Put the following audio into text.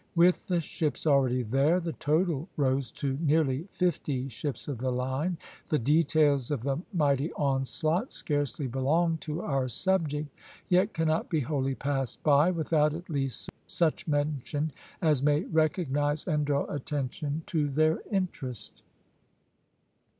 With the ships already there, the total rose to nearly fifty ships of the line. The details of the mighty onslaught scarcely belong to our subject, yet cannot be wholly passed by, without at least such mention as may recognize and draw attention to their interest.